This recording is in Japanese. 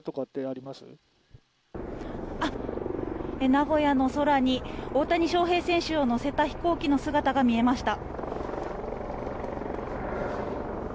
名古屋の空に大谷翔平選手を乗せた飛行機の姿が見えました。